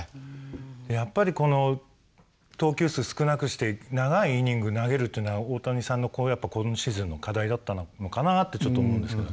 やっぱりこの投球数少なくして長いイニング投げるというのは大谷さんの今シーズンの課題だったのかなってちょっと思うんですけれども。